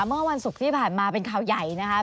เมื่อวันศุกร์ที่ผ่านมาเป็นข่าวใหญ่นะคะ